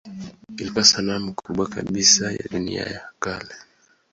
Ilikuwa sanamu kubwa kabisa ya dunia ya kale.